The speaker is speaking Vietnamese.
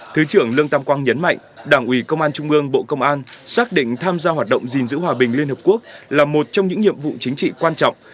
thứ trưởng lương tam quang nhấn mạnh đảng ủy công an trung ương bộ công an xác định tham gia hoạt động gìn giữ hòa bình liên hợp quốc là một trong những nhiệm vụ chính trị quan trọng